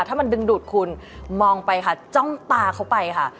ถ้ามันดึงดูดคุณมองไปค่ะจ้องตาเขาไปค่ะ